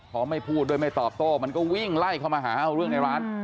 พอไม่พูดด้วยไม่ตอบโต้มันก็วิ่งไล่เข้ามาหาเอาเรื่องในร้าน